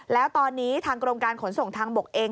แล้วตอนนี้ทางกรมการขนส่งทางบกเอง